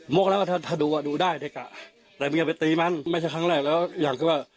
โมกแล้วถ้าดูดูได้เด็กอ่ะแต่มีคนไปตีมันไม่ใช่ครั้งแรกแล้วอย่างคือว่า